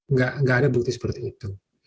nggak ada bukti seperti itu